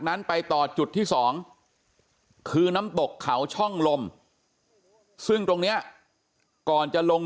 นั้นไปต่อจุดที่สองคือน้ำตกเขาช่องลมซึ่งตรงนี้ก่อนจะลง